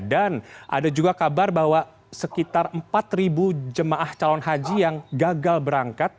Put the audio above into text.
dan ada juga kabar bahwa sekitar empat jemaah calon haji yang gagal berangkat